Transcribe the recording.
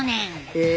へえ。